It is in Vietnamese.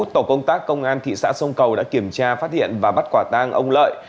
tổ công tác công an thị xã sông cầu đã kiểm tra phát hiện và bắt quả tang ông lợi